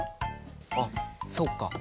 あっそっか。